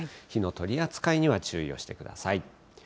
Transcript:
火の取り扱いには注意をしてください。